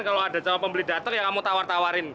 kalau ada cowok pembeli dateng yang kamu tawar tawarin